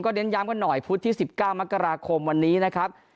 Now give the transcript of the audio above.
เน้นย้ำกันหน่อยพุธที่๑๙มกราคมวันนี้นะครับ